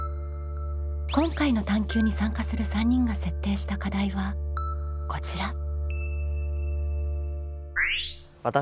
今回の探究に参加する３人が設定した課題はこちら。